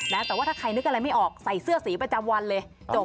แต่ว่าถ้าใครนึกอะไรไม่ออกใส่เสื้อสีประจำวันเลยจบ